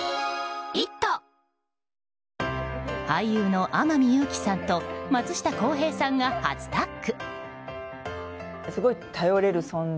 俳優の天海祐希さんと松下洸平さんが初タッグ。